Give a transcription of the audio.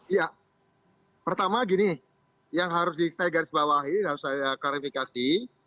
ya pertama gini yang harus saya garis bawahi harus saya klarifikasi